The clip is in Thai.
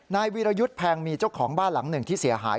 วีรยุทธ์แพงมีเจ้าของบ้านหลังหนึ่งที่เสียหาย